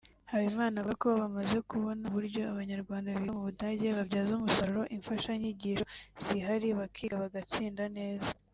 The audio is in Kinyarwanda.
Habimana avuga ko bamaze kubona uburyo Abanyarwanda biga mu Budage babyaza umusaruro imfashanyigisho zihari bakiga bagatsinda neza